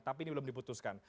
tapi ini belum diputuskan